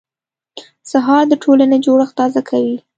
سهار د ټولنې جوړښت تازه کوي.